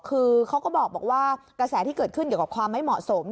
คือเขาก็บอกว่ากระแสที่เกิดขึ้นเกี่ยวกับความไม่เหมาะสม